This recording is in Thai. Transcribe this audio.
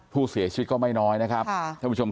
ผู้เสียชีวิตก็ไม่น้อยนะครับท่านผู้ชมครับ